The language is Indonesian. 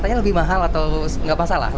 katanya lebih mahal atau nggak masalah